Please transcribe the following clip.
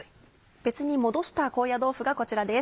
別に戻した高野豆腐がこちらです。